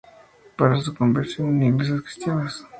Para su conversión en iglesias cristianas.